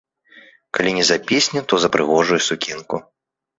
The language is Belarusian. Калі не за песню, то за прыгожую сукенку.